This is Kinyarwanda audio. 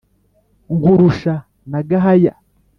Nkurusha na Gahaya